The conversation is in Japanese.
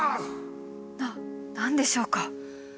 な何でしょうか？